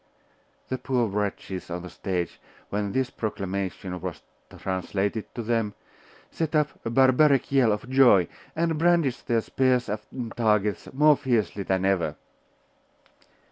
The poor wretches on the stage, when this proclamation was translated to them, set up a barbaric yell of joy, and brandished their spears and targets more fiercely than ever.